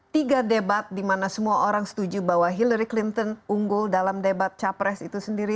tiga debat di mana semua orang setuju bahwa hillary clinton unggul dalam debat capres itu sendiri